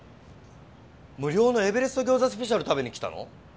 むりょうのエベレストギョウザスペシャル食べに来たの？